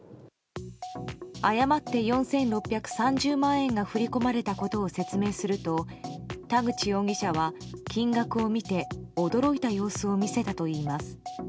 誤って４６３０万円が振り込まれたことを説明すると田口容疑者は、金額を見て驚いた様子を見せたといいます。